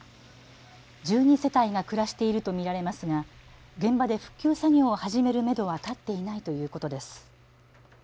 １２世帯が暮らしていると見られますが現場で復旧作業を始めるめどは立っていないということです。